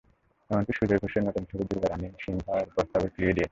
এমনকি সুজয় ঘোষের নতুন ছবি দুর্গা রানি সিং-এর প্রস্তাবও ফিরিয়ে দিয়েছেন।